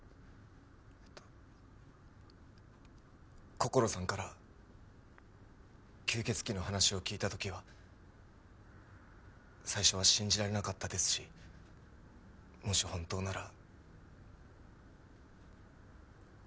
こころさんから吸血鬼の話を聞いた時は最初は信じられなかったですしもし本当なら怖いなと思いました。